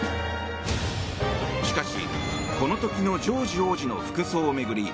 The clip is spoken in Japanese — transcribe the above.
しかし、この時のジョージ王子の服装を巡り